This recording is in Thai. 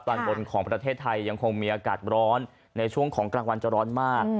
ตอนบนของประเทศไทยยังคงมีอากาศร้อนในช่วงของกลางวันจะร้อนมาก